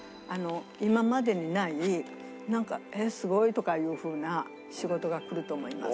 今までにない「えっすごい」とかいうふうな仕事が来ると思います。